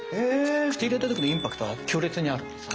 口入れたときのインパクトは強烈にあるんですね。